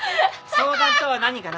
相談とは何かな？